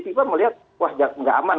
fifa melihat wah nggak aman